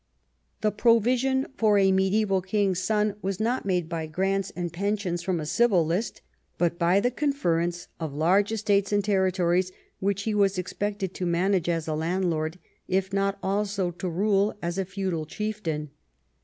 The provision for a mediaeval king's son was not made by grants and pensions from a civil list, but by the conference of large estates and territories, which he was expected to manage as a landlord, if not also to rule as a feudal chieftain.